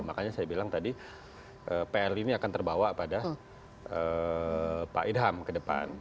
makanya saya bilang tadi pr ini akan terbawa pada pak ilham ke depan